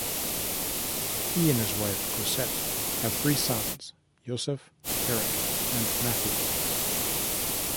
He and his wife, Cosette, have three sons - Josef, Erik, and Matthew.